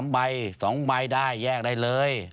๓ใบ๒ใบได้แยกได้เลย